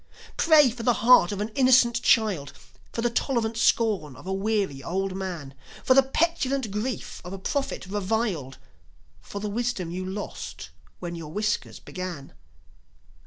Pray for the heart of an innocent child, For the tolerant scorn of a weary old man, For the petulant grief of a prophet reviled, For the wisdom you lost when your whiskers began.